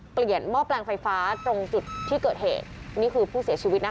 หม้อแปลงไฟฟ้าตรงจุดที่เกิดเหตุนี่คือผู้เสียชีวิตนะคะ